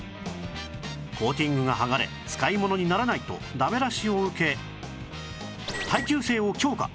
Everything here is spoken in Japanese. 「コーティングが剥がれ使いものにならない」とダメ出しを受け耐久性を強化